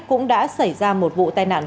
cũng đã xảy ra một vụ tai nạn